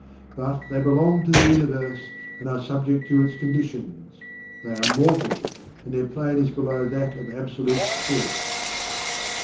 But, they belong to the Universe, and are subject to its conditions they are mortal and their plane is below that of Absolute Spirit.